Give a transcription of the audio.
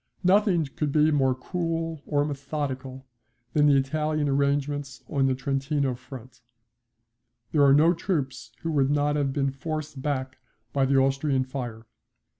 Nothing could be more cool or methodical than the Italian arrangements on the Trentino front. There are no troops who would not have been forced back by the Austrian fire.